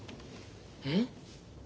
えっ？